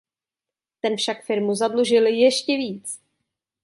Ten však firmu zadlužil ještě víc.